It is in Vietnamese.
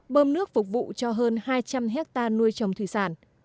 bơm nước phục vụ cho hơn hai trăm linh hectare nuôi trồng thủy sản